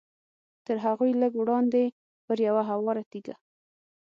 تر هغوی لږ وړاندې پر یوه هواره تیږه.